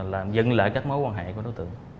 làm dẫn lại các mối quan hệ của nó thường